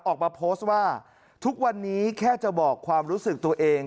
ออกมาโพสต์ว่าทุกวันนี้แค่จะบอกความรู้สึกตัวเอง